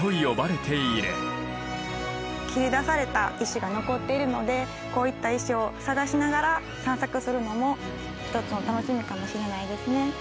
切り出された石が残っているのでこういった石を探しながら散策するのも一つの楽しみかもしれないですね。